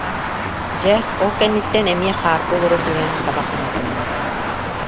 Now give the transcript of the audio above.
Дьэ, ол кэнниттэн эмиэ хаарга олоро түһэн, табах уматынна